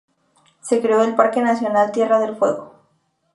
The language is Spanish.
Se creó el parque nacional Tierra del Fuego.